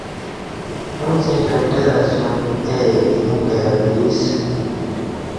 اُݩڅ ایں کہ ڈر اسیوم اے اِ نیہ کائی ورئ اسہ